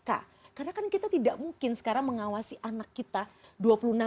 karena kan kita tidak mungkin sekarang mengawasi anak kita dua puluh enam tahun